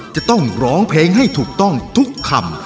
จะต้องร้องเพลงให้ถูกต้องทุกคำ